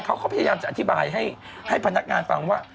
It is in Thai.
เขาก็พยายามจะอธิบายให้พนักงานฟังว่า